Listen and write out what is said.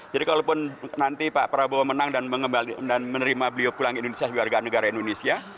jadi kalaupun nanti pak prabowo menang dan menerima beliau pulang ke indonesia sebagai warga negara indonesia